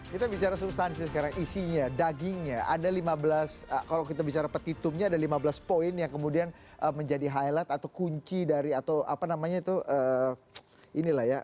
kita bicara substansi sekarang isinya dagingnya ada lima belas kalau kita bicara petitumnya ada lima belas poin yang kemudian menjadi highlight atau kunci dari atau apa namanya itu inilah ya